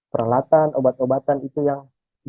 peralatan obat obatan itu yang